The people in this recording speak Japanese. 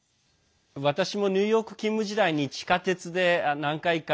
私もニューヨーク勤務時代に地下鉄で何回か